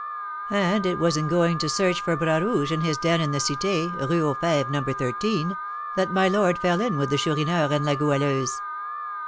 "And it was in going to search for Bras Rouge, in his den in the Cité (Rue aux Fêves, No. 13), that my lord fell in with the Chourineur and La Goualeuse.